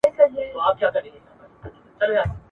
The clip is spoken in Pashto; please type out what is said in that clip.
په خزان او په بهار کي بیرته تله دي ..